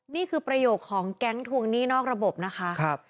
ประโยคของแก๊งทวงหนี้นอกระบบนะคะ